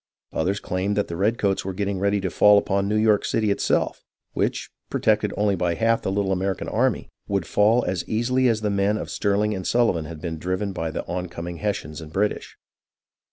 Others claimed that the redcoats were getting ready to fall upon New York City itself, which, protected by only half the little Ameri can army, would fall as easily as the men of Stirling and Sullivan had been driven by the on coming Hessians and British.